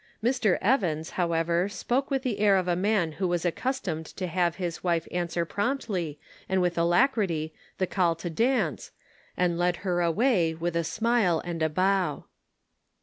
Mr. Evans, however, spoke with the air of a man who was accustomed to have his wife answer promptly and with alacrity the call to dance, and led her away with a smile and a bow.